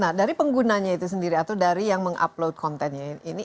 nah dari penggunanya itu sendiri atau dari yang mengupload kontennya ini